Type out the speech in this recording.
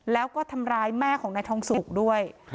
แล้วก็ทำร้ายแม่ของนายทองสุกด้วย